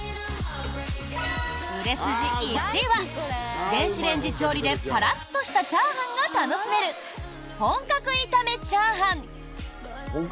売れ筋１位は電子レンジ調理でパラッとしたチャーハンが楽しめる、本格炒め炒飯。